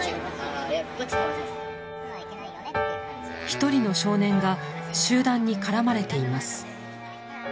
一人の少年が集団にからまれています。